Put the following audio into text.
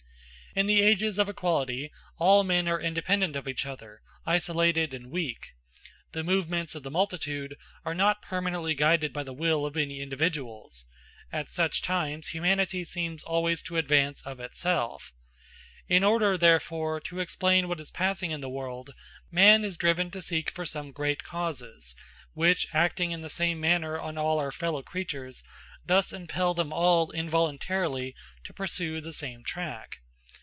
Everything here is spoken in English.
In the ages of equality all men are independent of each other, isolated and weak. The movements of the multitude are not permanently guided by the will of any individuals; at such times humanity seems always to advance of itself. In order, therefore, to explain what is passing in the world, man is driven to seek for some great causes, which, acting in the same manner on all our fellow creatures, thus impel them all involuntarily to pursue the same track.